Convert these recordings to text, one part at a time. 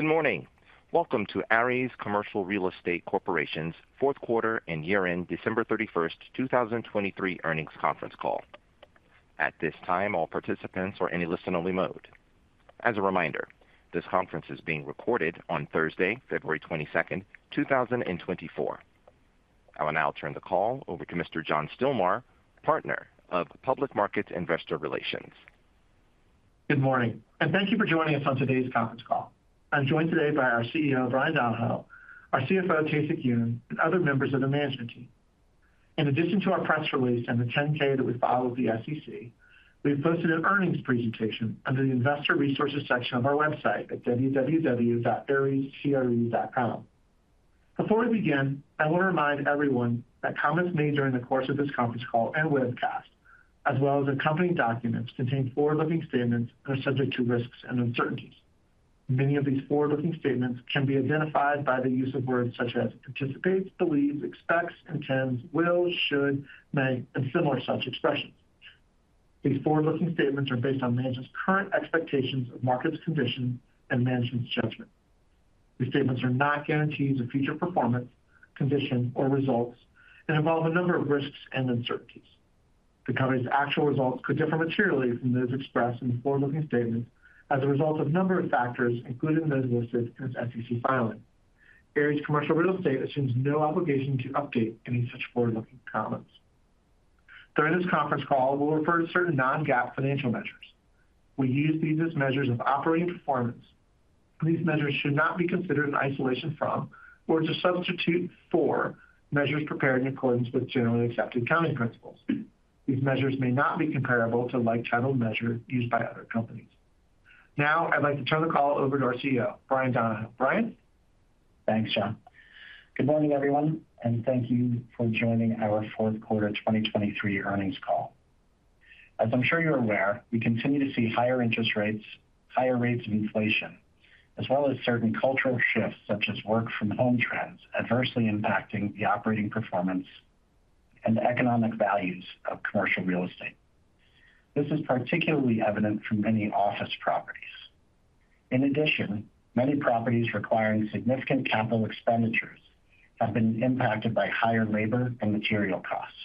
Good morning. Welcome to Ares Commercial Real Estate Corporation's fourth quarter and year-end December 31, 2023 earnings conference call. At this time, all participants are in a listen-only mode. As a reminder, this conference is being recorded on Thursday, February 22, 2024. I will now turn the call over to Mr. John Stilmar, partner of Public Markets Investor Relations. Good morning, and thank you for joining us on today's conference call. I'm joined today by our CEO, Bryan Donohoe, our CFO, Tae-Sik Yoon, and other members of the management team. In addition to our press release and the 10-K that we filed with the SEC, we've posted an earnings presentation under the Investor Resources section of our website at www.arescre.com. Before we begin, I want to remind everyone that comments made during the course of this conference call and webcast, as well as accompanying documents, contain forward-looking statements that are subject to risks and uncertainties. Many of these forward-looking statements can be identified by the use of words such as anticipates, believes, expects, intends, will, should, may, and similar such expressions. These forward-looking statements are based on management's current expectations of market conditions and management's judgment. These statements are not guarantees of future performance, condition, or results, and involve a number of risks and uncertainties. The company's actual results could differ materially from those expressed in the forward-looking statements as a result of a number of factors including those listed in its SEC filing. Ares Commercial Real Estate assumes no obligation to update any such forward-looking comments. During this conference call, we'll refer to certain non-GAAP financial measures. We use these as measures of operating performance. These measures should not be considered in isolation from or to substitute for measures prepared in accordance with generally accepted accounting principles. These measures may not be comparable to like-titled measures used by other companies. Now, I'd like to turn the call over to our CEO, Bryan Donohoe. Bryan? Thanks, John. Good morning, everyone, and thank you for joining our fourth quarter 2023 earnings call. As I'm sure you're aware, we continue to see higher interest rates, higher rates of inflation, as well as certain cultural shifts such as work-from-home trends adversely impacting the operating performance and economic values of commercial real estate. This is particularly evident from many office properties. In addition, many properties requiring significant capital expenditures have been impacted by higher labor and material costs.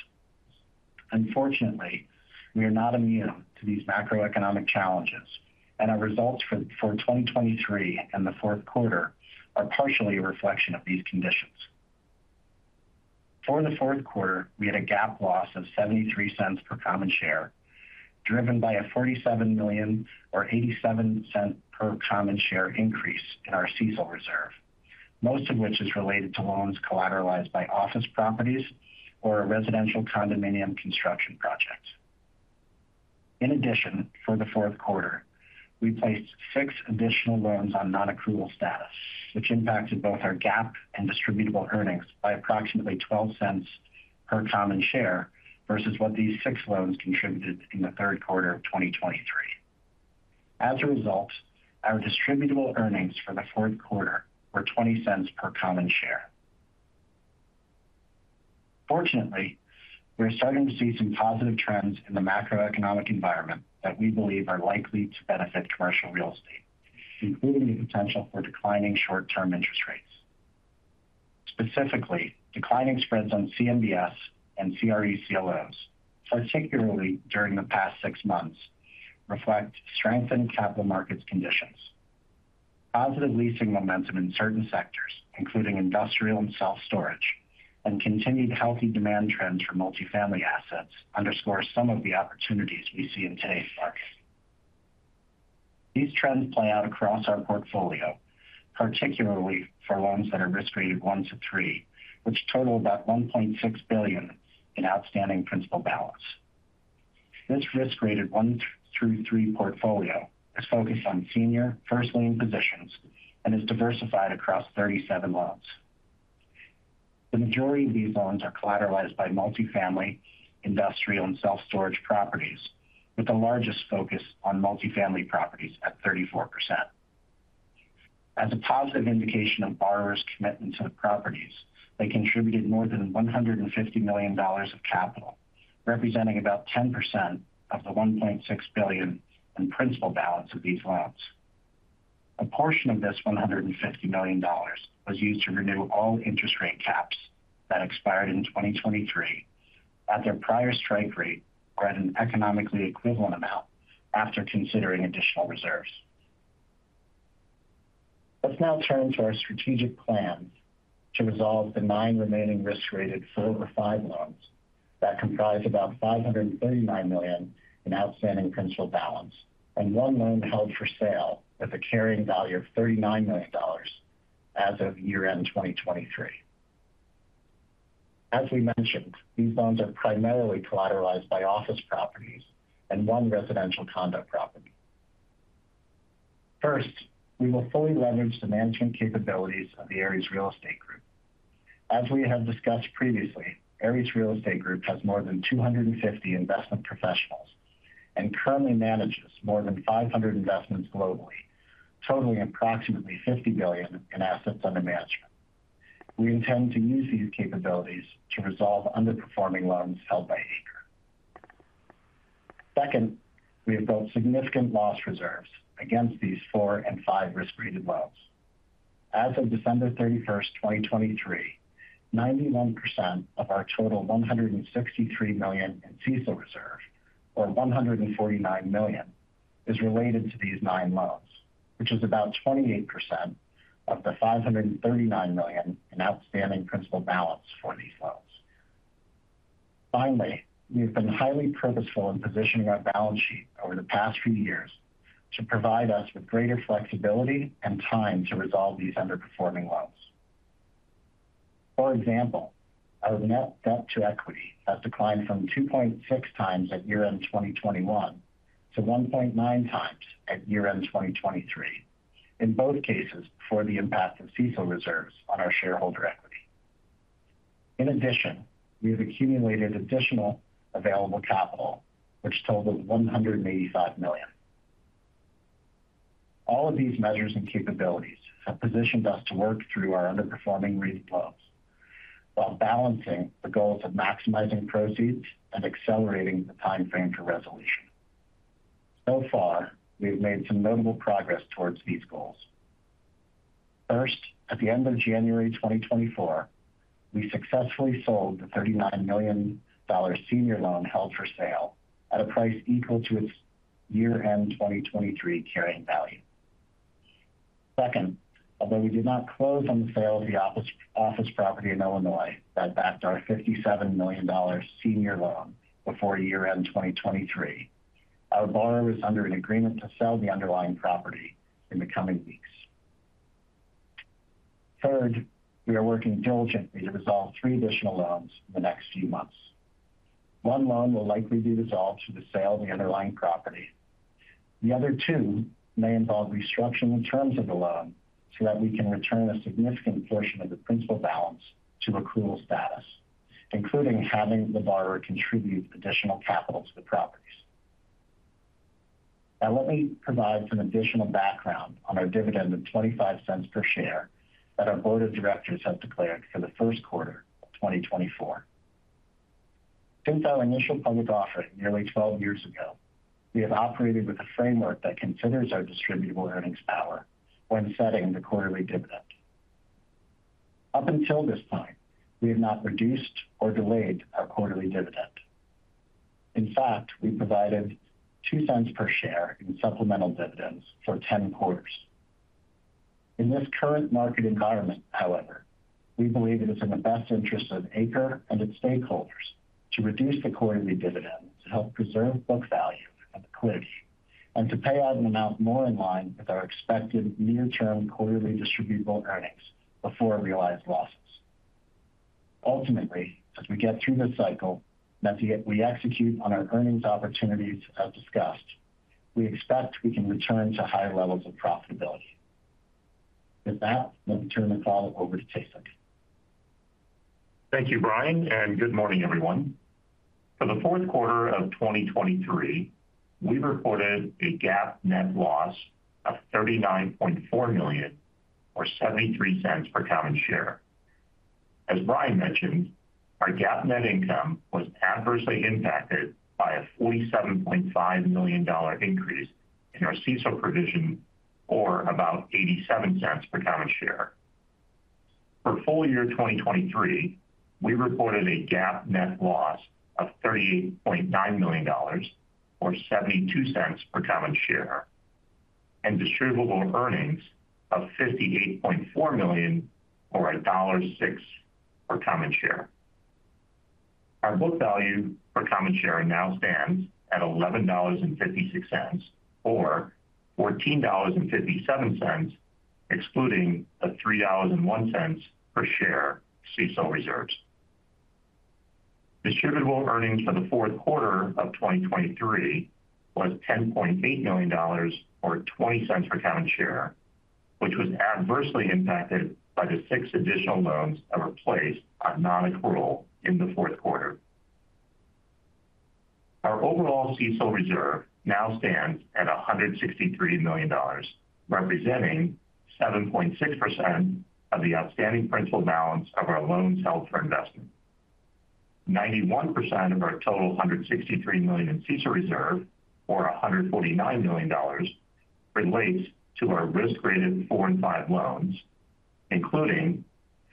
Unfortunately, we are not immune to these macroeconomic challenges, and our results for 2023 and the fourth quarter are partially a reflection of these conditions. For the fourth quarter, we had a GAAP loss of $0.73 per common share, driven by a $47 million or $0.87 per common share increase in our CECL reserve, most of which is related to loans collateralized by office properties or a residential condominium construction project. In addition, for the fourth quarter, we placed six additional loans on non-accrual status, which impacted both our GAAP and distributable earnings by approximately $0.12 per common share versus what these six loans contributed in the third quarter of 2023. As a result, our distributable earnings for the fourth quarter were $0.20 per common share. Fortunately, we're starting to see some positive trends in the macroeconomic environment that we believe are likely to benefit commercial real estate, including the potential for declining short-term interest rates. Specifically, declining spreads on CMBS and CRE CLOs, particularly during the past six months, reflect strengthened capital markets conditions. Positive leasing momentum in certain sectors, including industrial and self-storage, and continued healthy demand trends for multifamily assets underscore some of the opportunities we see in today's market. These trends play out across our portfolio, particularly for loans that are risk-rated one to three, which total about $1.6 billion in outstanding principal balance. This risk-rated one through three portfolio is focused on senior, first-lien positions and is diversified across 37 loans. The majority of these loans are collateralized by multifamily, industrial, and self-storage properties, with the largest focus on multifamily properties at 34%. As a positive indication of borrowers' commitment to the properties, they contributed more than $150 million of capital, representing about 10% of the $1.6 billion in principal balance of these loans. A portion of this $150 million was used to renew all interest rate caps that expired in 2023 at their prior strike rate or at an economically equivalent amount after considering additional reserves. Let's now turn to our strategic plan to resolve the nine remaining risk-rated four or five loans that comprise about $539 million in outstanding principal balance and one loan held for sale with a carrying value of $39 million as of year-end 2023. As we mentioned, these loans are primarily collateralized by office properties and one residential condo property. First, we will fully leverage the management capabilities of the Ares Real Estate Group. As we have discussed previously, Ares Real Estate Group has more than 250 investment professionals and currently manages more than 500 investments globally, totaling approximately $50 billion in assets under management. We intend to use these capabilities to resolve underperforming loans held by ACRE. Second, we have built significant loss reserves against these four and five risk-rated loans. As of December 31, 2023, 91% of our total $163 million in CECL reserve, or $149 million, is related to these nine loans, which is about 28% of the $539 million in outstanding principal balance for these loans. Finally, we have been highly purposeful in positioning our balance sheet over the past few years to provide us with greater flexibility and time to resolve these underperforming loans. For example, our net debt to equity has declined from 2.6x at year-end 2021 to 1.9x at year-end 2023, in both cases before the impact of CECL reserves on our shareholder equity. In addition, we have accumulated additional available capital, which totaled $185 million. All of these measures and capabilities have positioned us to work through our underperforming loans while balancing the goals of maximizing proceeds and accelerating the time frame for resolution. So far, we have made some notable progress towards these goals. First, at the end of January 2024, we successfully sold the $39 million senior loan held for sale at a price equal to its year-end 2023 carrying value. Second, although we did not close on the sale of the office property in Illinois that backed our $57 million senior loan before year-end 2023, our borrower is under an agreement to sell the underlying property in the coming weeks. Third, we are working diligently to resolve three additional loans in the next few months. One loan will likely be resolved through the sale of the underlying property. The other two may involve restructuring the terms of the loan so that we can return a significant portion of the principal balance to accrual status, including having the borrower contribute additional capital to the properties. Now, let me provide some additional background on our dividend of $0.25 per share that our board of directors has declared for the first quarter of 2024. Since our initial public offering nearly 12 years ago, we have operated with a framework that considers our distributable earnings power when setting the quarterly dividend. Up until this time, we have not reduced or delayed our quarterly dividend. In fact, we provided $0.02 per share in supplemental dividends for 10 quarters. In this current market environment, however, we believe it is in the best interests of ACRE and its stakeholders to reduce the quarterly dividend to help preserve book value and liquidity and to pay out an amount more in line with our expected near-term quarterly distributable earnings before realized losses. Ultimately, as we get through this cycle that we execute on our earnings opportunities as discussed, we expect we can return to high levels of profitability. With that, let me turn the call over to Tae-Sik. Thank you, Bryan, and good morning, everyone. For the fourth quarter of 2023, we've reported a GAAP net loss of $39.4 million or $0.73 per common share. As Bryan mentioned, our GAAP net income was adversely impacted by a $47.5 million increase in our CECL provision, or about $0.87 per common share. For full year 2023, we reported a GAAP net loss of $38.9 million or $0.72 per common share and distributable earnings of $58.4 million or $1.06 per common share. Our book value per common share now stands at $11.56 or $14.57, excluding the $3.01 per share CECL reserves. Distributable earnings for the fourth quarter of 2023 was $10.8 million or $0.20 per common share, which was adversely impacted by the six additional loans that were placed on non-accrual in the fourth quarter. Our overall CECL reserve now stands at $163 million, representing 7.6% of the outstanding principal balance of our loans held for investment. 91% of our total $163 million in CECL reserve, or $149 million, relates to our risk-rated four and five loans, including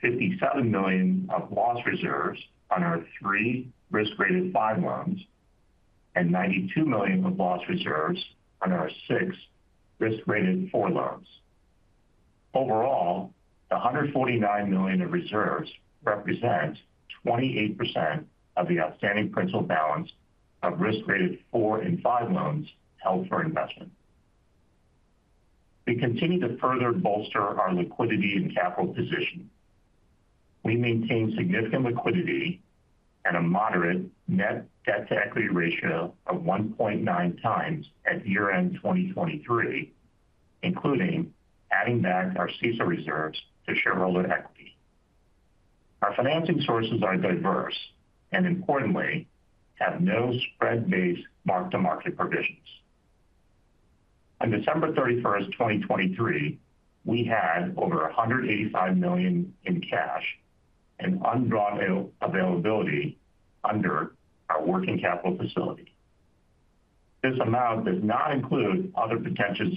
$57 million of loss reserves on our three risk-rated five loans and $92 million of loss reserves on our six risk-rated four loans. Overall, the $149 million of reserves represent 28% of the outstanding principal balance of risk-rated four and five loans held for investment. We continue to further bolster our liquidity and capital position. We maintain significant liquidity and a moderate net debt to equity ratio of 1.9 times at year-end 2023, including adding back our CECL reserves to shareholder equity. Our financing sources are diverse and, importantly, have no spread-based mark-to-market provisions. On December 31, 2023, we had over $185 million in cash and undrawn availability under our working capital facility. This amount does not include other potential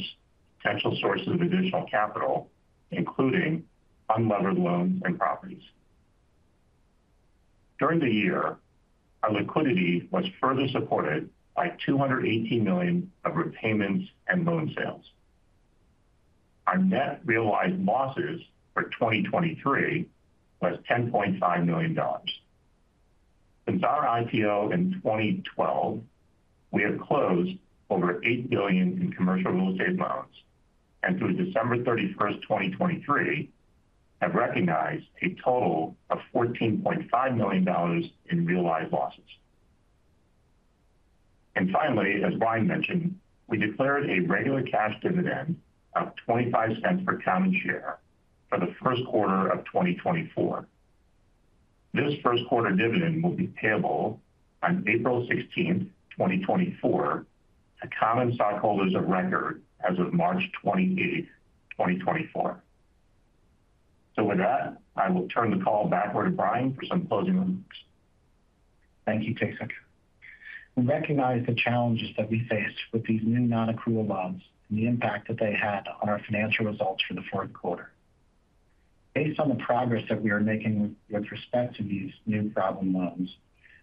sources of additional capital, including unlevered loans and properties. During the year, our liquidity was further supported by $218 million of repayments and loan sales. Our net realized losses for 2023 was $10.5 million. Since our IPO in 2012, we have closed over $8 billion in commercial real estate loans and, through December 31, 2023, have recognized a total of $14.5 million in realized losses. Finally, as Bryan mentioned, we declared a regular cash dividend of $0.25 per common share for the first quarter of 2024. This first-quarter dividend will be payable on April 16, 2024, to common stockholders of record as of March 28, 2024. With that, I will turn the call back over to Bryan for some closing remarks. Thank you, Tae-Sik. We recognize the challenges that we face with these new non-accrual loans and the impact that they had on our financial results for the fourth quarter. Based on the progress that we are making with respect to these new problem loans,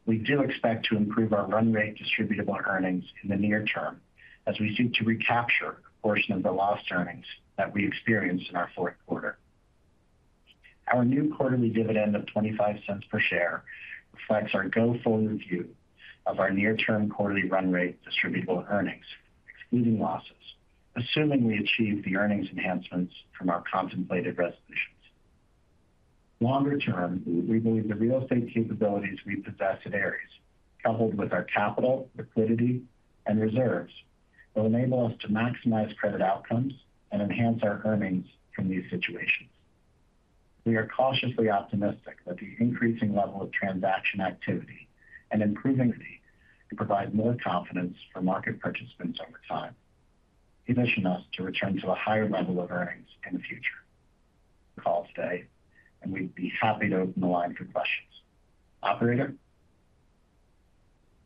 we do expect to improve our run-rate distributable earnings in the near term as we seek to recapture a portion of the lost earnings that we experienced in our fourth quarter. Our new quarterly dividend of $0.25 per share reflects our go-forward review of our near-term quarterly run-rate distributable earnings, excluding losses, assuming we achieve the earnings enhancements from our contemplated resolutions. Longer term, we believe the real estate capabilities we possess at Ares, coupled with our capital, liquidity, and reserves, will enable us to maximize credit outcomes and enhance our earnings from these situations. We are cautiously optimistic that the increasing level of transaction activity and improving equity will provide more confidence for market participants over time, conditioning us to return to a higher level of earnings in the future. Call today, and we'd be happy to open the line for questions. Operator?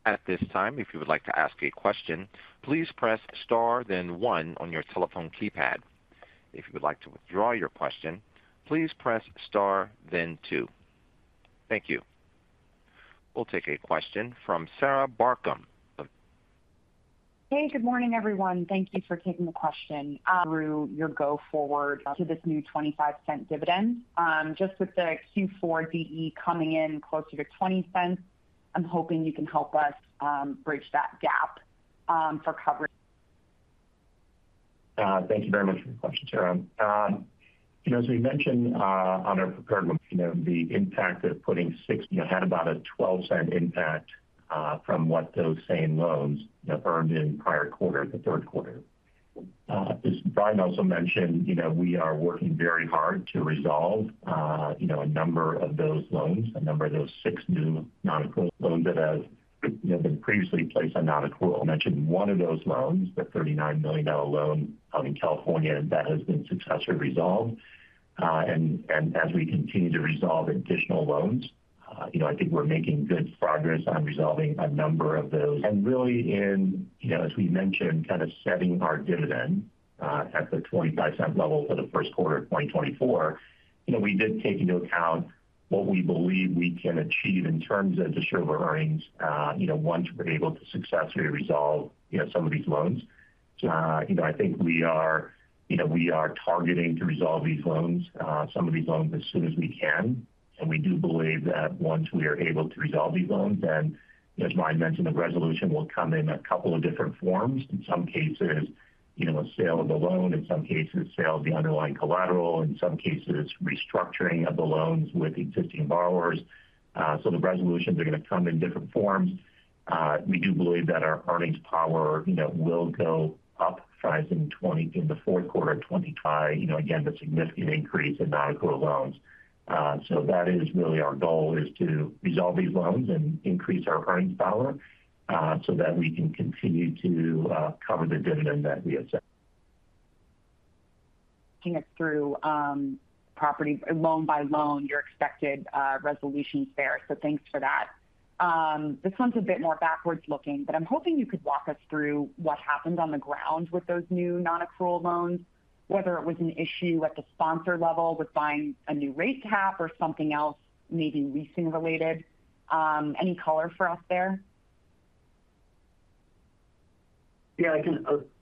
At this time, if you would like to ask a question, please press star, then one on your telephone keypad. If you would like to withdraw your question, please press star, then two. Thank you. We'll take a question from Sarah Barcomb. Hey, good morning, everyone. Thank you for taking the question. Through your go-forward to this new $0.25 dividend. Just with the Q4 DE coming in closer to $0.20, I'm hoping you can help us bridge that gap for coverage. Thank you very much for your question, Sarah. As we mentioned on our prepared report, the impact of putting six had about a $0.12 impact from what those same loans earned in the third quarter. As Bryan also mentioned, we are working very hard to resolve a number of those loans, a number of those six new non-accrual loans that have been previously placed on non-accrual. I mentioned one of those loans, the $39 million loan held in California, that has been successfully resolved. As we continue to resolve additional loans, I think we're making good progress on resolving a number of those. Really, as we mentioned, kind of setting our dividend at the $0.25 level for the first quarter of 2024, we did take into account what we believe we can achieve in terms of distributable earnings once we're able to successfully resolve some of these loans. So I think we are targeting to resolve some of these loans as soon as we can. And we do believe that once we are able to resolve these loans, then, as Bryan mentioned, the resolution will come in a couple of different forms. In some cases, a sale of the loan. In some cases, a sale of the underlying collateral. In some cases, restructuring of the loans with existing borrowers. So the resolutions are going to come in different forms. We do believe that our earnings power will go up. Rise in the fourth quarter of. By, again, the significant increase in non-accrual loans. So that is really our goal, is to resolve these loans and increase our earnings power so that we can continue to cover the dividend that we have set. Looking at loan by loan, your expected resolutions there. So thanks for that. This one's a bit more backwards-looking, but I'm hoping you could walk us through what happened on the ground with those new non-accrual loans, whether it was an issue at the sponsor level with buying a new rate cap or something else, maybe leasing-related. Any color for us there? Yeah,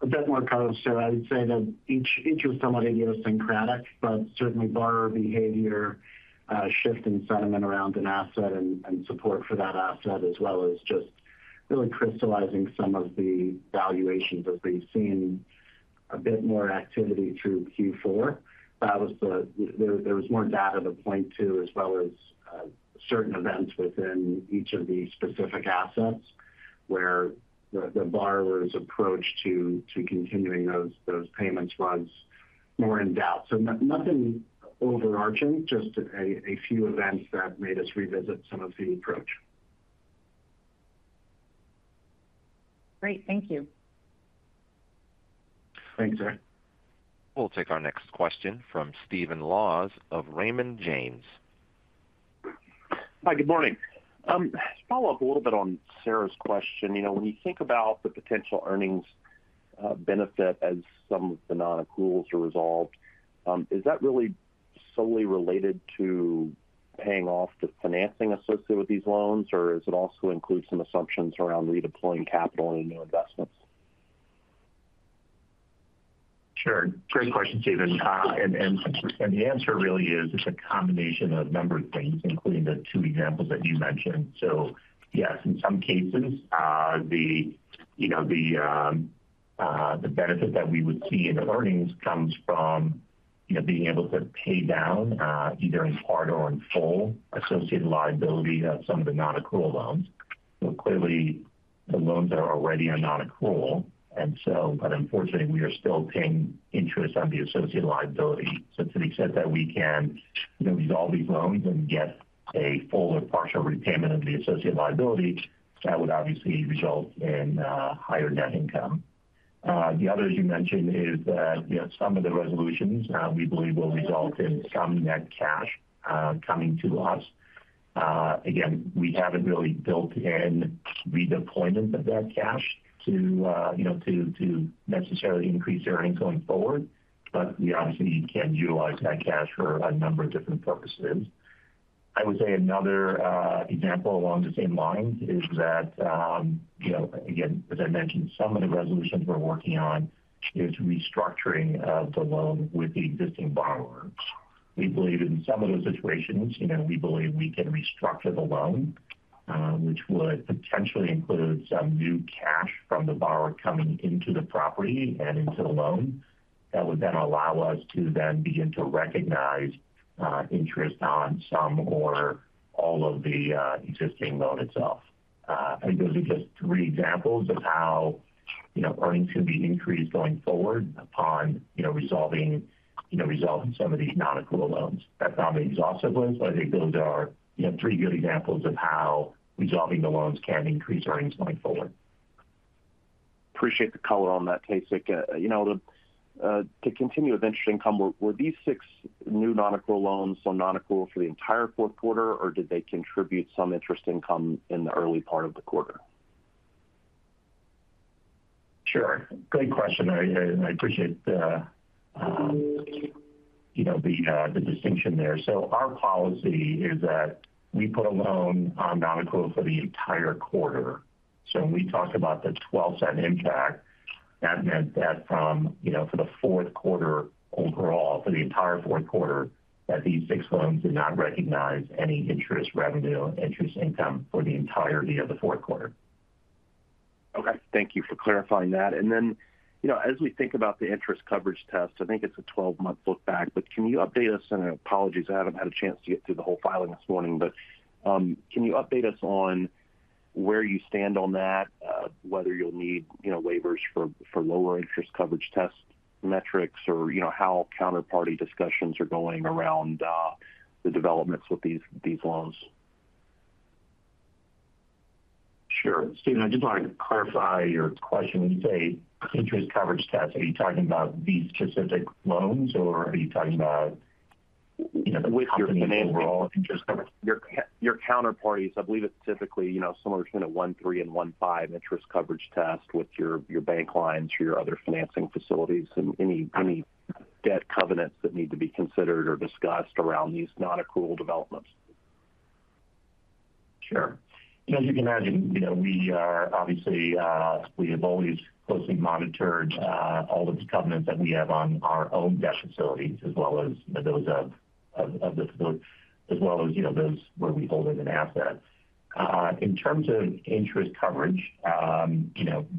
a bit more color, Sarah. I would say that each was somewhat idiosyncratic, but certainly borrower behavior, shift in sentiment around an asset, and support for that asset, as well as just really crystallizing some of the valuations as we've seen a bit more activity through Q4. There was more data to point to, as well as certain events within each of these specific assets where the borrower's approach to continuing those payments was more in doubt. So nothing overarching, just a few events that made us revisit some of the approach. Great. Thank you. Thanks, Sarah. We'll take our next question from Stephen Laws of Raymond James. Hi, good morning. To follow up a little bit on Sarah's question, when you think about the potential earnings benefit as some of the non-accruals are resolved, is that really solely related to paying off the financing associated with these loans, or does it also include some assumptions around redeploying capital into new investments? Sure. Great question, Stephen. The answer really is it's a combination of a number of things, including the two examples that you mentioned. Yes, in some cases, the benefit that we would see in earnings comes from being able to pay down, either in part or in full, associated liability of some of the non-accrual loans. Clearly, the loans are already on non-accrual. Unfortunately, we are still paying interest on the associated liability. To the extent that we can use all these loans and get a full or partial repayment of the associated liability, that would obviously result in higher net income. The other, as you mentioned, is that some of the resolutions, we believe, will result in some net cash coming to us. Again, we haven't really built in redeployment of that cash to necessarily increase earnings going forward, but we obviously can utilize that cash for a number of different purposes. I would say another example along the same line is that, again, as I mentioned, some of the resolutions we're working on is restructuring of the loan with the existing borrowers. We believe in some of those situations, we believe we can restructure the loan, which would potentially include some new cash from the borrower coming into the property and into the loan. That would then allow us to then begin to recognize interest on some or all of the existing loan itself. I think those are just three examples of how earnings can be increased going forward upon resolving some of these non-accrual loans. That's not the exhaustive list, but I think those are three good examples of how resolving the loans can increase earnings going forward. Appreciate the color on that, Tae-Sik. To continue with interest income, were these six new non-accrual loans so non-accrual for the entire fourth quarter, or did they contribute some interest income in the early part of the quarter? Sure. Great question. I appreciate the distinction there. So our policy is that we put a loan on non-accrual for the entire quarter. So when we talk about the $0.12 impact, that meant that for the fourth quarter overall, for the entire fourth quarter, that these six loans did not recognize any interest revenue, interest income for the entirety of the fourth quarter. Okay. Thank you for clarifying that. And then as we think about the interest coverage test, I think it's a 12-month look back, but can you update us and apologies, I haven't had a chance to get through the whole filing this morning, but can you update us on where you stand on that, whether you'll need waivers for lower interest coverage test metrics, or how counterparty discussions are going around the developments with these loans? Sure. Stephen, I just want to clarify your question. When you say interest coverage test, are you talking about these specific loans, or are you talking about the company overall interest coverage? With your counterparties, I believe it's typically somewhere between a 1.3-1.5 interest coverage test with your bank lines or your other financing facilities and any debt covenants that need to be considered or discussed around these non-accrual developments. Sure. As you can imagine, we obviously have always closely monitored all of the covenants that we have on our own debt facilities, as well as those of the facility, as well as those where we hold as an asset. In terms of interest coverage,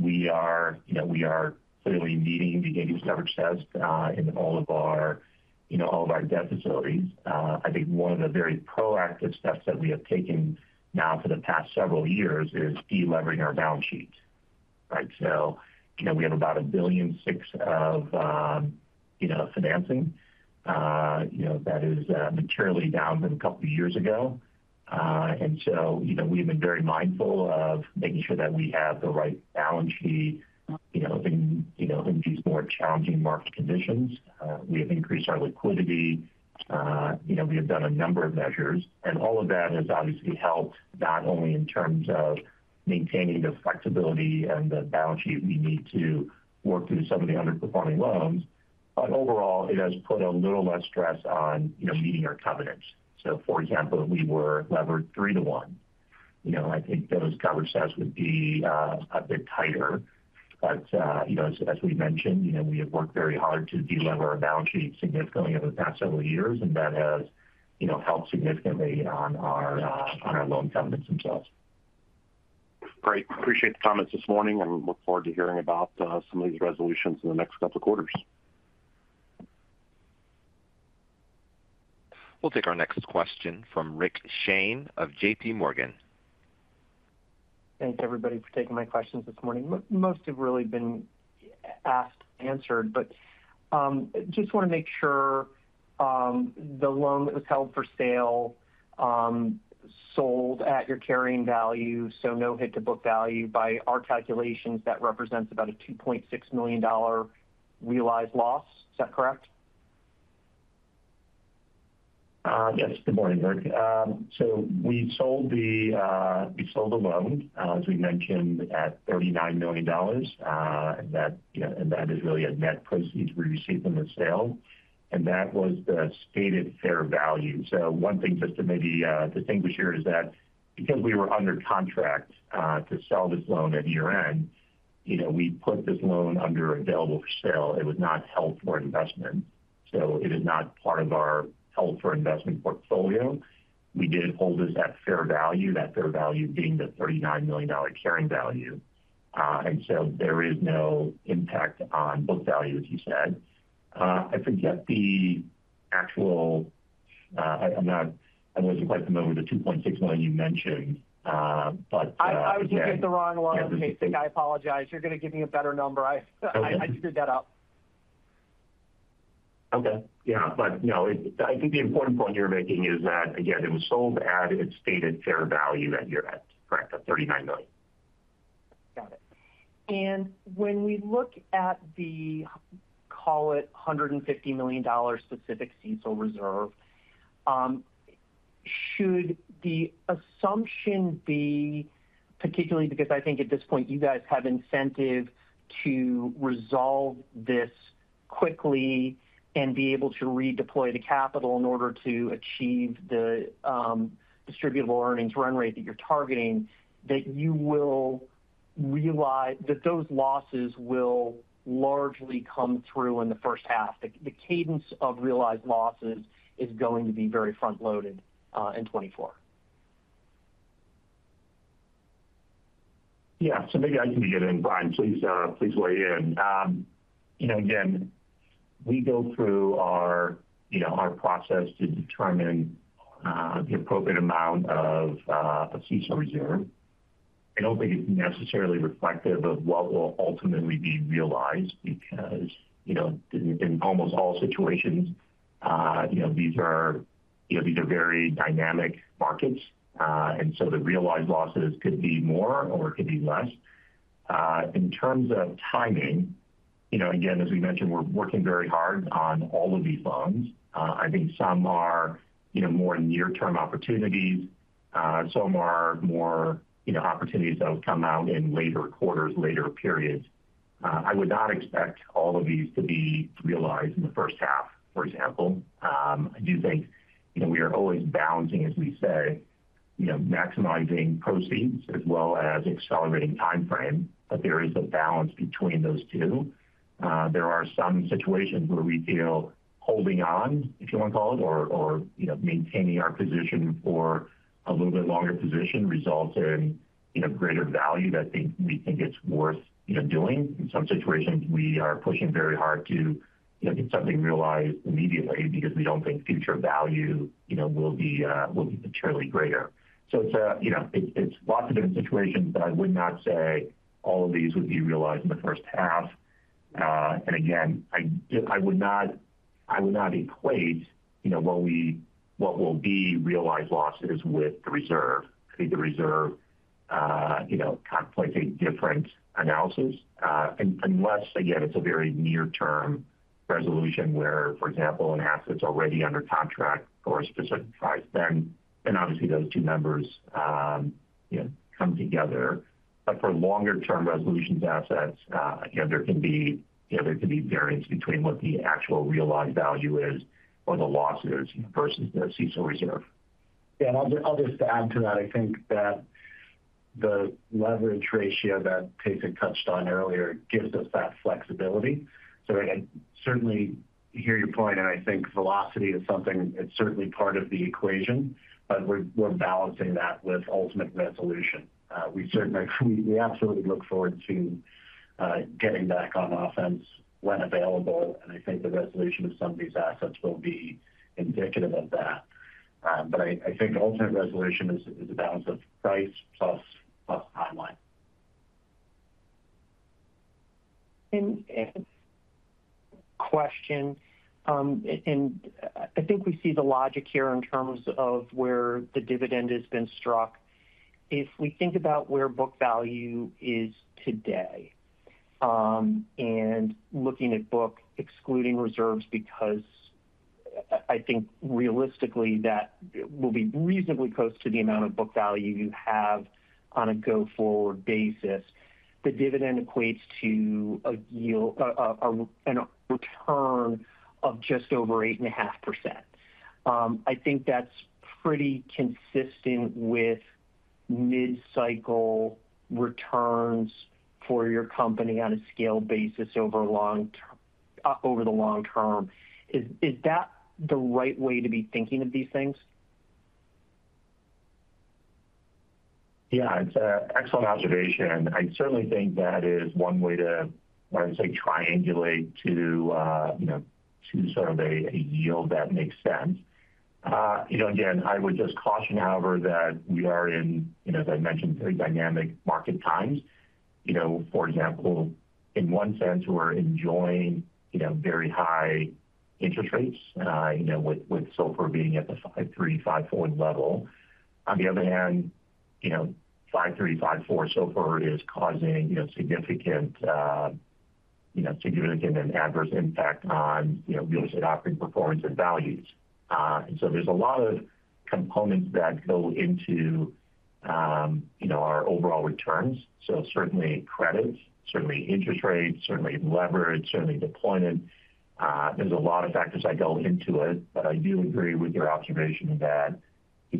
we are clearly meeting the interest coverage test in all of our debt facilities. I think one of the very proactive steps that we have taken now for the past several years is delevering our balance sheets, right? So we have about $1.6 billion of financing that is materially down from a couple of years ago. And so we have been very mindful of making sure that we have the right balance sheet in these more challenging market conditions. We have increased our liquidity. We have done a number of measures. All of that has obviously helped, not only in terms of maintaining the flexibility and the balance sheet we need to work through some of the underperforming loans, but overall, it has put a little less stress on meeting our covenants. For example, if we were levered three to one, I think those coverage tests would be a bit tighter. As we mentioned, we have worked very hard to delever our balance sheet significantly over the past several years, and that has helped significantly on our loan covenants themselves. Great. Appreciate the comments this morning, and look forward to hearing about some of these resolutions in the next couple of quarters. We'll take our next question from Rick Shane of JPMorgan. Thanks, everybody, for taking my questions this morning. Most have really been asked, answered. But just want to make sure the loan that was held for sale sold at your carrying value, so no hit-to-book value, by our calculations, that represents about a $2.6 million realized loss. Is that correct? Yes. Good morning, Rick. We sold the loan, as we mentioned, at $39 million. And that is really a net proceed we received from the sale. And that was the stated fair value. One thing just to maybe distinguish here is that because we were under contract to sell this loan at year-end, we put this loan under available for sale. It was not held for investment. So it is not part of our held-for-investment portfolio. We did hold this at fair value, that fair value being the $39 million carrying value. And so there is no impact on book value, as you said. I forget the actual. I wasn't quite familiar with the $2.6 million you mentioned, but. I was looking at the wrong loan. I apologize. You're going to give me a better number. I just did that up. Okay. Yeah. But no, I think the important point you're making is that, again, it was sold at its stated fair value at year-end, correct, at $39 million. Got it. And when we look at the, call it, $150 million specific CECL reserve, should the assumption be, particularly because I think at this point you guys have incentive to resolve this quickly and be able to redeploy the capital in order to achieve the distributable earnings run rate that you're targeting, that you will realize that those losses will largely come through in the first half? The cadence of realized losses is going to be very front-loaded in 2024. Yeah. So maybe I can get in, Bryan. Please weigh in. Again, we go through our process to determine the appropriate amount of CECL reserve. I don't think it's necessarily reflective of what will ultimately be realized because in almost all situations, these are very dynamic markets. And so the realized losses could be more or could be less. In terms of timing, again, as we mentioned, we're working very hard on all of these loans. I think some are more near-term opportunities. Some are more opportunities that would come out in later quarters, later periods. I would not expect all of these to be realized in the first half, for example. I do think we are always balancing, as we say, maximizing proceeds as well as accelerating timeframe. But there is a balance between those two. There are some situations where we feel holding on, if you want to call it, or maintaining our position for a little bit longer position results in greater value that we think it's worth doing. In some situations, we are pushing very hard to get something realized immediately because we don't think future value will be materially greater. So it's lots of different situations, but I would not say all of these would be realized in the first half. And again, I would not equate what will be realized losses with the reserve. I think the reserve kind of plays a different analysis unless, again, it's a very near-term resolution where, for example, an asset's already under contract for a specific price. Then obviously, those two numbers come together. But for longer-term resolutions assets, there can be variance between what the actual realized value is or the losses versus the CECL reserve. Yeah. And I'll just add to that. I think that the leverage ratio that Tae-Sik touched on earlier gives us that flexibility. So I certainly hear your point, and I think velocity is something it's certainly part of the equation, but we're balancing that with ultimate resolution. We absolutely look forward to getting back on offense when available, and I think the resolution of some of these assets will be indicative of that. But I think ultimate resolution is a balance of price plus timeline. I think we see the logic here in terms of where the dividend has been struck. If we think about where book value is today and looking at book excluding reserves because I think realistically, that will be reasonably close to the amount of book value you have on a go-forward basis. The dividend equates to a return of just over 8.5%. I think that's pretty consistent with mid-cycle returns for your company on a scale basis over the long term. Is that the right way to be thinking of these things? Yeah. It's an excellent observation. I certainly think that is one way to, I would say, triangulate to sort of a yield that makes sense. Again, I would just caution, however, that we are in, as I mentioned, very dynamic market times. For example, in one sense, we're enjoying very high interest rates with SOFR being at the 5.3-5.4 level. On the other hand, 5.3-5.4 SOFR is causing significant and adverse impact on real estate operating performance and values. And so there's a lot of components that go into our overall returns. So certainly credits, certainly interest rates, certainly leverage, certainly deployment. There's a lot of factors that go into it. But I do agree with your observation that the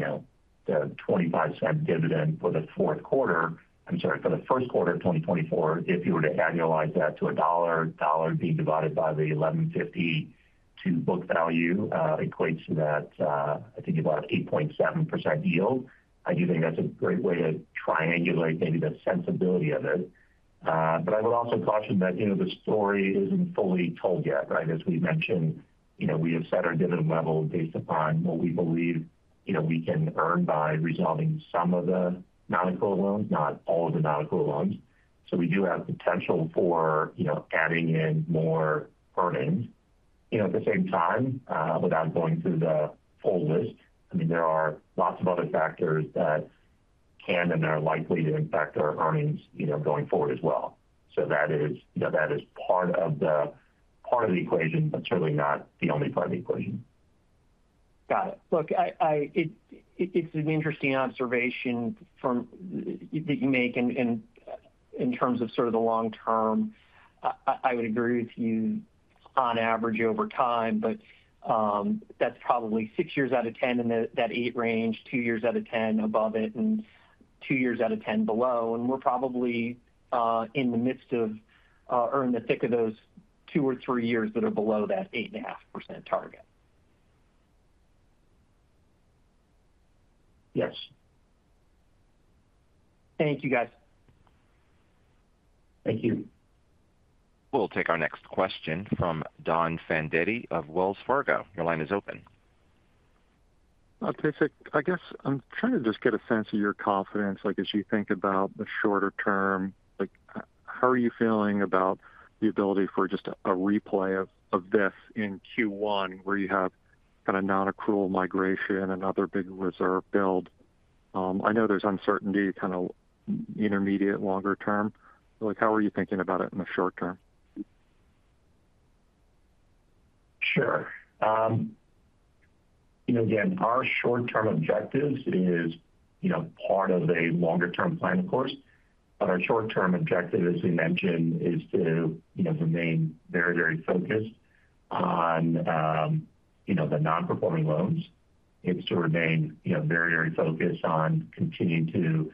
$0.25 dividend for the fourth quarter—I'm sorry, for the first quarter of 2024—if you were to annualize that to $1, $1 being divided by the $11.50 book value, equates to that, I think, about an 8.7% yield. I do think that's a great way to triangulate maybe the sensibility of it. But I would also caution that the story isn't fully told yet, right? As we mentioned, we have set our dividend level based upon what we believe we can earn by resolving some of the non-accrual loans, not all of the non-accrual loans. So we do have potential for adding in more earnings at the same time without going through the full list. I mean, there are lots of other factors that can and are likely to impact our earnings going forward as well. That is part of the equation, but certainly not the only part of the equation. Got it. Look, it's an interesting observation that you make. And in terms of sort of the long term, I would agree with you on average over time, but that's probably six years out of 10 in that eight range, two years out of 10 above it, and two years out of 10 below. And we're probably in the midst of or in the thick of those two or three years that are below that 8.5% target. Yes. Thank you, guys. Thank you. We'll take our next question from Don Fandetti of Wells Fargo. Your line is open. Tae-Sik, I guess I'm trying to just get a sense of your confidence as you think about the shorter term. How are you feeling about the ability for just a replay of this in Q1 where you have kind of non-accrual migration and other big reserve build? I know there's uncertainty kind of intermediate, longer term. How are you thinking about it in the short term? Sure. Again, our short-term objective is part of a longer-term plan, of course. But our short-term objective, as we mentioned, is to remain very, very focused on the non-performing loans. It's to remain very, very focused on continuing to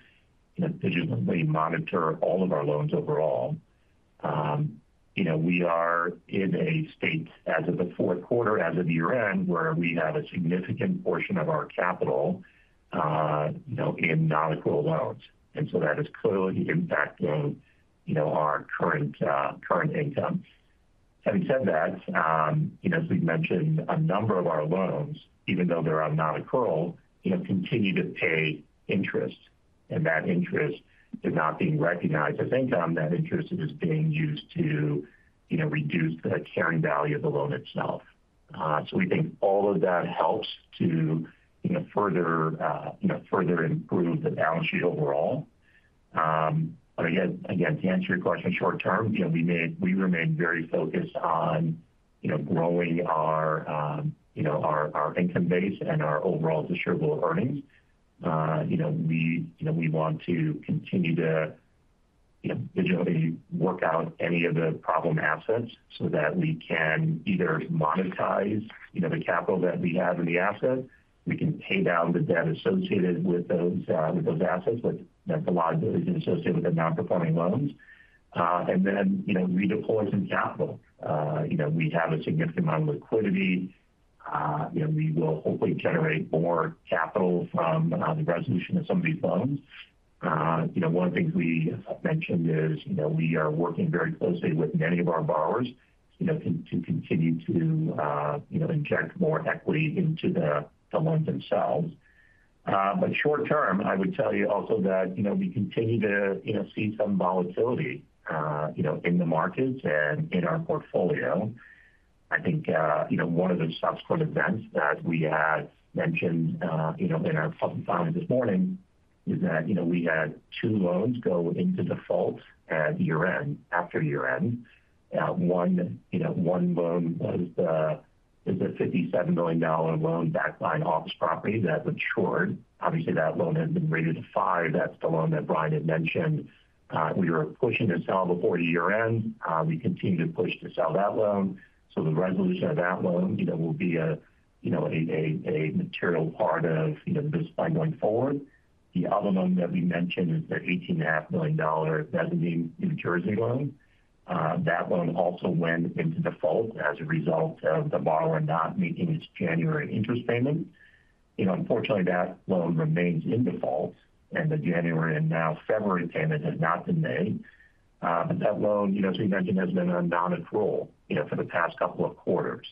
vigilantly monitor all of our loans overall. We are in a state as of the fourth quarter, as of year-end, where we have a significant portion of our capital in non-accrual loans. And so that is clearly the impact of our current income. Having said that, as we've mentioned, a number of our loans, even though they're on non-accrual, continue to pay interest. And that interest is not being recognized as income. That interest is being used to reduce the carrying value of the loan itself. So we think all of that helps to further improve the balance sheet overall. But again, to answer your question, short term, we remain very focused on growing our income base and our overall distributable earnings. We want to continue to vigilantly work out any of the problem assets so that we can either monetize the capital that we have in the asset, we can pay down the debt associated with those assets, the liabilities associated with the non-performing loans, and then redeploy some capital. We have a significant amount of liquidity. We will hopefully generate more capital from the resolution of some of these loans. One of the things we mentioned is we are working very closely with many of our borrowers to continue to inject more equity into the loans themselves. But short term, I would tell you also that we continue to see some volatility in the markets and in our portfolio. I think one of the subsequent events that we had mentioned in our public filings this morning is that we had two loans go into default at year-end, after year-end. One loan was a $57 million loan backed by an office property that matured. Obviously, that loan has been rated to five. That's the loan that Bryan had mentioned. We were pushing to sell before year-end. We continue to push to sell that loan. So the resolution of that loan will be a material part of this plan going forward. The other loan that we mentioned is the $18.5 million New Jersey loan. That loan also went into default as a result of the borrower not making its January interest payment. Unfortunately, that loan remains in default, and the January and now February payment has not been made. That loan, as we mentioned, has been on non-accrual for the past couple of quarters.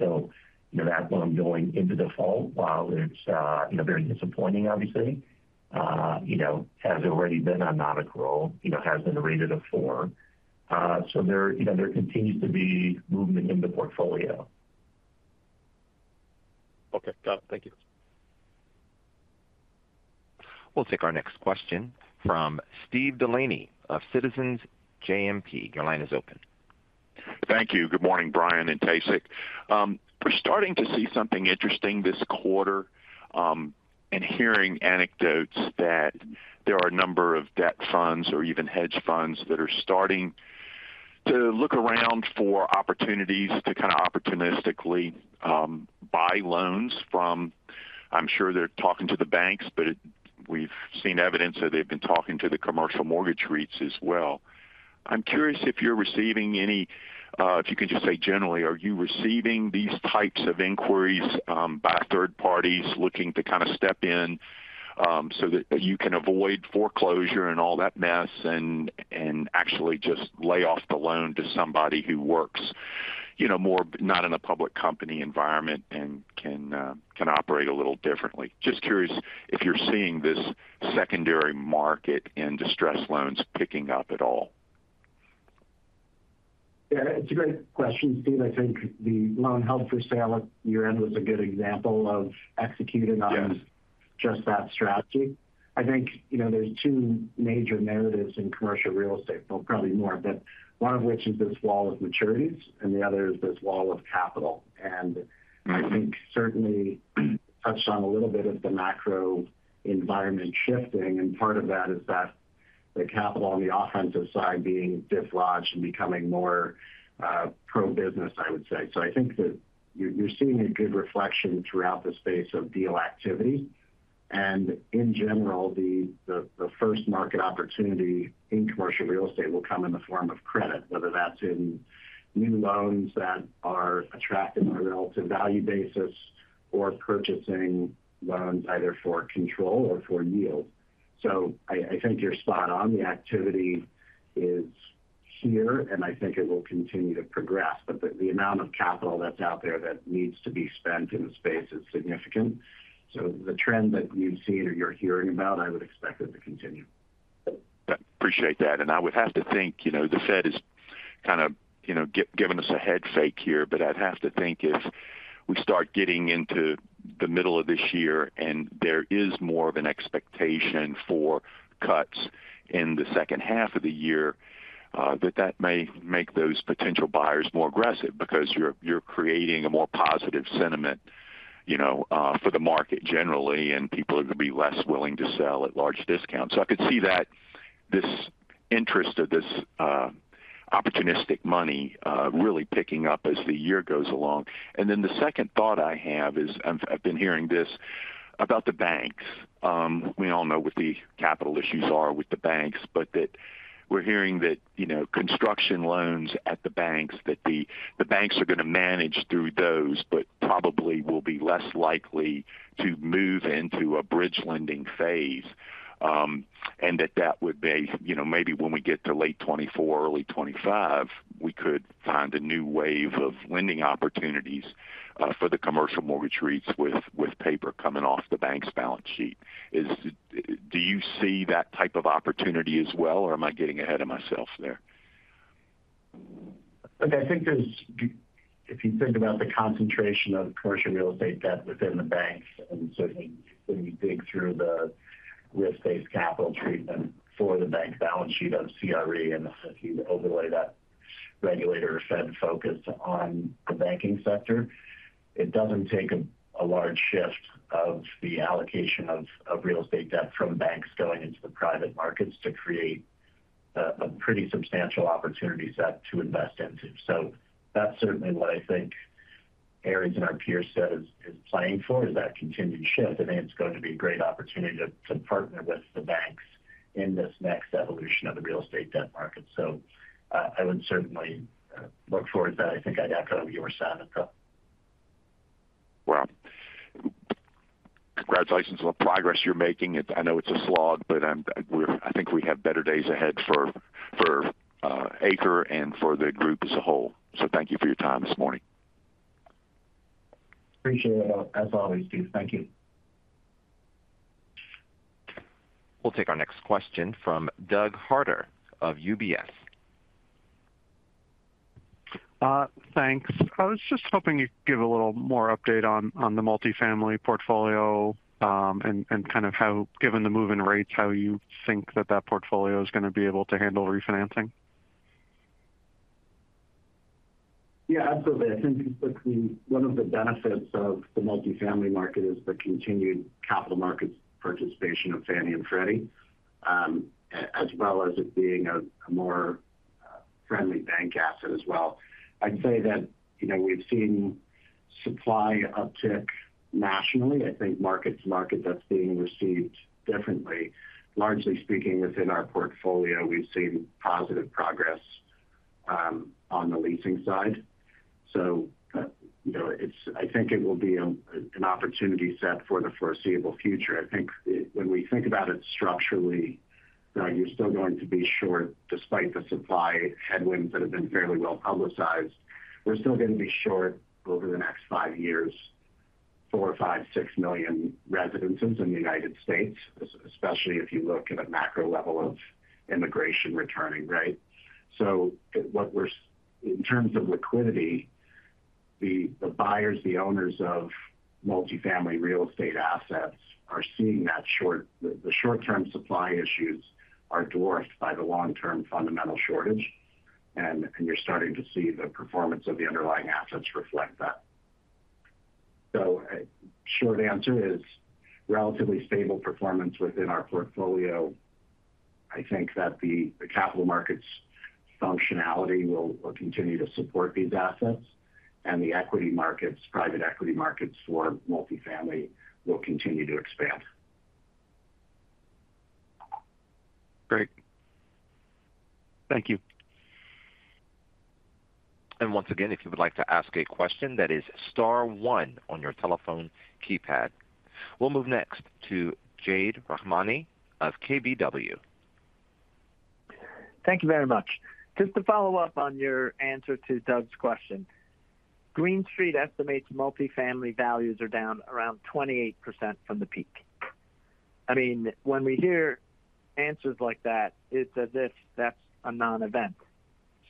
That loan going into default, while it's very disappointing, obviously, has already been on non-accrual, has been rated a four. There continues to be movement in the portfolio. Okay. Got it. Thank you. We'll take our next question from Steve Delaney of Citizens JMP. Your line is open. Thank you. Good morning, Bryan and Tae-Sik. We're starting to see something interesting this quarter and hearing anecdotes that there are a number of debt funds or even hedge funds that are starting to look around for opportunities to kind of opportunistically buy loans from. I'm sure they're talking to the banks, but we've seen evidence that they've been talking to the commercial mortgage REITs as well. I'm curious if you're receiving any. If you can just say generally, are you receiving these types of inquiries by third parties looking to kind of step in so that you can avoid foreclosure and all that mess and actually just lay off the loan to somebody who works more not in a public company environment and can operate a little differently? Just curious if you're seeing this secondary market in distressed loans picking up at all. Yeah. It's a great question, Steve. I think the loan held for sale at year-end was a good example of executing on just that strategy. I think there's two major narratives in commercial real estate, well, probably more, but one of which is this wall of maturities, and the other is this wall of capital. And I think certainly touched on a little bit of the macro environment shifting. And part of that is that the capital on the offensive side being dislodged and becoming more pro-business, I would say. So I think that you're seeing a good reflection throughout the space of deal activity. And in general, the first market opportunity in commercial real estate will come in the form of credit, whether that's in new loans that are attracted on a relative value basis or purchasing loans either for control or for yield. So I think you're spot on. The activity is here, and I think it will continue to progress. But the amount of capital that's out there that needs to be spent in the space is significant. So the trend that you've seen or you're hearing about, I would expect it to continue. I appreciate that. And I would have to think the Fed is kind of giving us a headfake here, but I'd have to think if we start getting into the middle of this year and there is more of an expectation for cuts in the second half of the year, that that may make those potential buyers more aggressive because you're creating a more positive sentiment for the market generally, and people are going to be less willing to sell at large discounts. So I could see this interest of this opportunistic money really picking up as the year goes along. And then the second thought I have is I've been hearing this about the banks. We all know what the capital issues are with the banks, but that we're hearing that construction loans at the banks, that the banks are going to manage through those but probably will be less likely to move into a bridge lending phase, and that that would be maybe when we get to late 2024, early 2025, we could find a new wave of lending opportunities for the commercial mortgage REITs with paper coming off the bank's balance sheet. Do you see that type of opportunity as well, or am I getting ahead of myself there? Okay. I think if you think about the concentration of commercial real estate debt within the banks and certainly when you dig through the real estate capital treatment for the bank's balance sheet of CRE and if you overlay that regulator or Fed focus on the banking sector, it doesn't take a large shift of the allocation of real estate debt from banks going into the private markets to create a pretty substantial opportunity set to invest into. So that's certainly what I think Ares and our peers said is playing for, is that continued shift. I think it's going to be a great opportunity to partner with the banks in this next evolution of the real estate debt market. So I would certainly look forward to that. I think I'd echo your sentiment, though. Wow. Congratulations on the progress you're making. I know it's a slog, but I think we have better days ahead for ACRE and for the group as a whole. So thank you for your time this morning. Appreciate it, as always, Steve. Thank you. We'll take our next question from Doug Harter of UBS. Thanks. I was just hoping you'd give a little more update on the multifamily portfolio and kind of how, given the move-in rates, how you think that that portfolio is going to be able to handle refinancing? Yeah, absolutely. I think one of the benefits of the multifamily market is the continued capital markets participation of Fannie and Freddie, as well as it being a more friendly bank asset as well. I'd say that we've seen supply uptick nationally. I think mark-to-market, that's being received differently. Largely speaking, within our portfolio, we've seen positive progress on the leasing side. So I think it will be an opportunity set for the foreseeable future. I think when we think about it structurally, you're still going to be short despite the supply headwinds that have been fairly well publicized. We're still going to be short over the next five years, four or five, six million residences in the United States, especially if you look at a macro level of immigration returning, right? So in terms of liquidity, the buyers, the owners of multifamily real estate assets are seeing that the short-term supply issues are dwarfed by the long-term fundamental shortage, and you're starting to see the performance of the underlying assets reflect that. So short answer is relatively stable performance within our portfolio. I think that the capital markets functionality will continue to support these assets, and the private equity markets for multifamily will continue to expand. Great. Thank you. Once again, if you would like to ask a question, that is star one on your telephone keypad. We'll move next to Jade Rahmani of KBW. Thank you very much. Just to follow up on your answer to Doug's question, Green Street estimates multifamily values are down around 28% from the peak. I mean, when we hear answers like that, it's as if that's a non-event.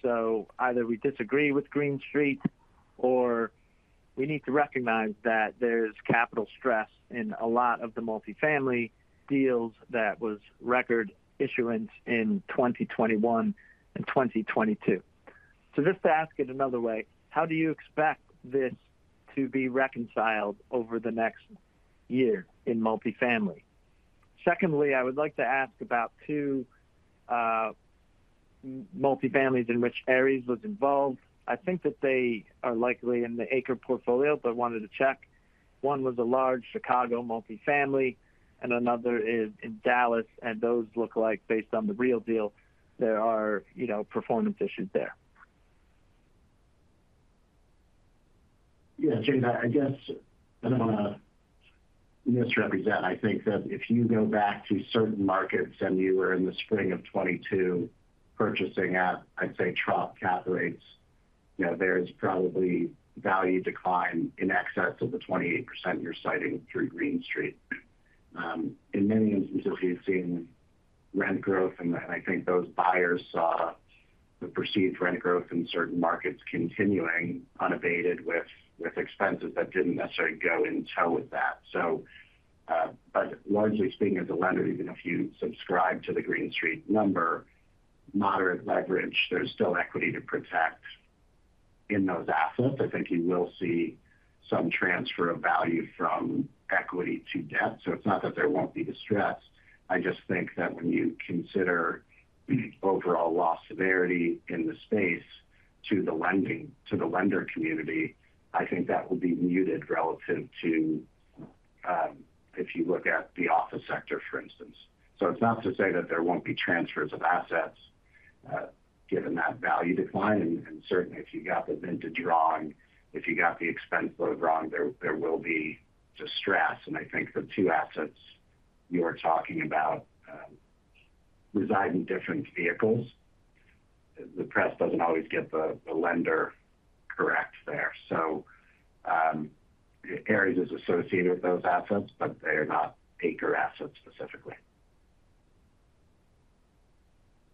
So either we disagree with Green Street or we need to recognize that there's capital stress in a lot of the multifamily deals that was record issuance in 2021 and 2022. So just to ask it another way, how do you expect this to be reconciled over the next year in multifamily? Secondly, I would like to ask about two multifamilies in which Ares was involved. I think that they are likely in the ACRE portfolio, but wanted to check. One was a large Chicago multifamily, and another is in Dallas. And those look like, based on The Real Deal, there are performance issues there. Yeah, Jade, I guess I don't want to misrepresent. I think that if you go back to certain markets and you were in the spring of 2022 purchasing at, I'd say, trough cap rates, there's probably value decline in excess of the 28% you're citing through Green Street. In many instances, we've seen rent growth, and I think those buyers saw the perceived rent growth in certain markets continuing unabated with expenses that didn't necessarily go in tow with that. But largely speaking, as a lender, even if you subscribe to the Green Street number, moderate leverage, there's still equity to protect in those assets. I think you will see some transfer of value from equity to debt. So it's not that there won't be distress. I just think that when you consider overall loss severity in the space to the lender community, I think that will be muted relative to if you look at the office sector, for instance. So it's not to say that there won't be transfers of assets given that value decline. And certainly, if you got the vintage wrong, if you got the expense load wrong, there will be distress. And I think the two assets you were talking about reside in different vehicles. The press doesn't always get the lender correct there. So Ares is associated with those assets, but they are not ACRE assets specifically.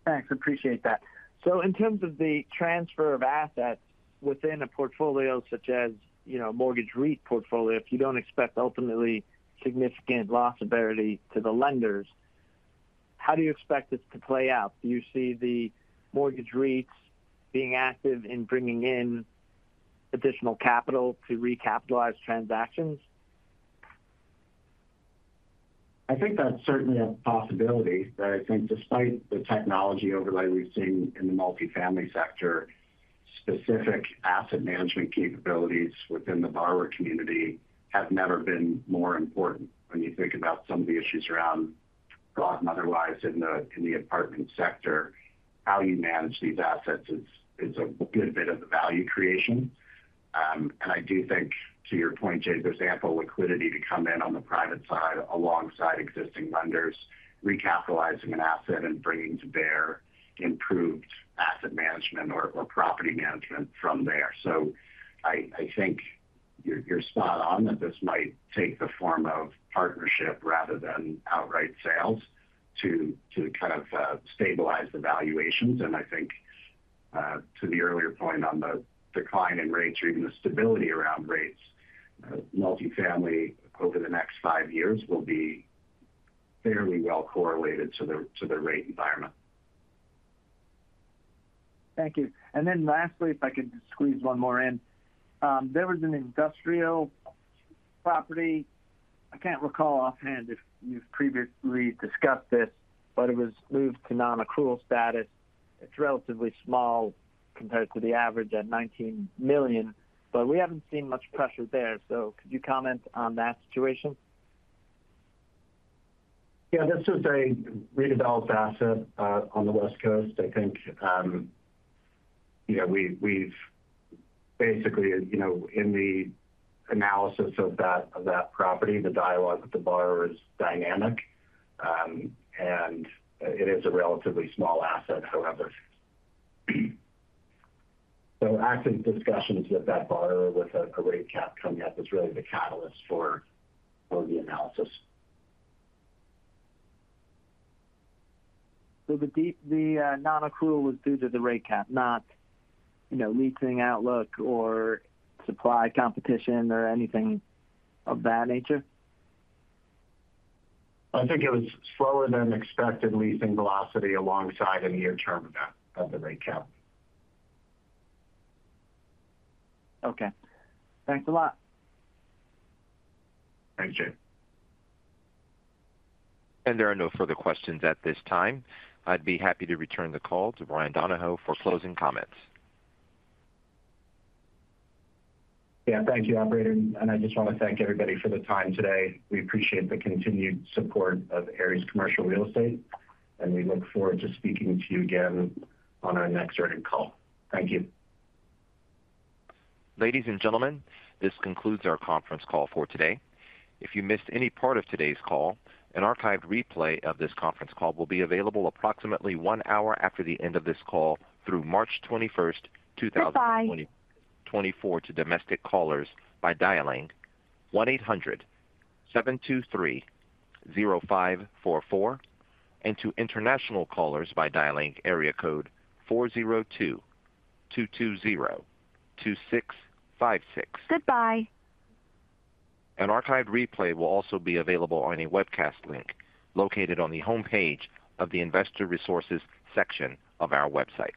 Thanks. Appreciate that. So in terms of the transfer of assets within a portfolio such as a mortgage REIT portfolio, if you don't expect ultimately significant loss severity to the lenders, how do you expect this to play out? Do you see the mortgage REITs being active in bringing in additional capital to recapitalize transactions? I think that's certainly a possibility. But I think despite the technology overlay we've seen in the multifamily sector, specific asset management capabilities within the borrower community have never been more important. When you think about some of the issues around fraud and otherwise in the apartment sector, how you manage these assets is a good bit of a value creation. And I do think, to your point, Jade, there's ample liquidity to come in on the private side alongside existing lenders recapitalizing an asset and bringing to bear improved asset management or property management from there. So I think you're spot on that this might take the form of partnership rather than outright sales to kind of stabilize the valuations. I think, to the earlier point on the decline in rates or even the stability around rates, multifamily over the next five years will be fairly well correlated to the rate environment. Thank you. And then lastly, if I could squeeze one more in, there was an industrial property I can't recall offhand if you've previously discussed this, but it was moved to non-accrual status. It's relatively small compared to the average at $19 million, but we haven't seen much pressure there. So could you comment on that situation? Yeah. This is a redeveloped asset on the West Coast. I think we've basically, in the analysis of that property, the dialogue with the borrower is dynamic, and it is a relatively small asset, however. So asset discussions with that borrower with a rate cap coming up is really the catalyst for the analysis. The non-accrual was due to the rate cap, not leasing outlook or supply competition or anything of that nature? I think it was slower than expected leasing velocity alongside a near-term event of the rate cap. Okay. Thanks a lot. Thanks, Jade. There are no further questions at this time. I'd be happy to return the call to Bryan Donohoe for closing comments. Yeah. Thank you, operator. I just want to thank everybody for the time today. We appreciate the continued support of Ares Commercial Real Estate, and we look forward to speaking to you again on our next earnings call. Thank you. Ladies and gentlemen, this concludes our conference call for today. If you missed any part of today's call, an archived replay of this conference call will be available approximately one hour after the end of this call through March 21st, 2024 to domestic callers by dialing 1-800-723-0544 and to international callers by dialing area code 402-220-2656. An archived replay will also be available on a webcast link located on the homepage of the investor resources section of our website.